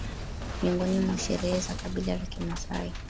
Miongoni mwa sherehe za kabila la kimasai